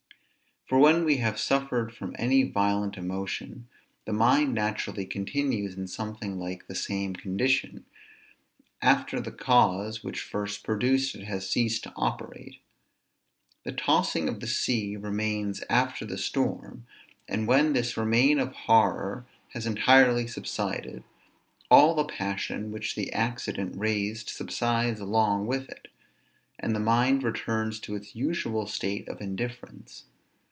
For when we have suffered from any violent emotion, the mind naturally continues in something like the same condition, after the cause which first produced it has ceased to operate. The tossing of the sea remains after the storm; and when this remain of horror has entirely subsided, all the passion which the accident raised subsides along with it; and the mind returns to its usual state of indifference.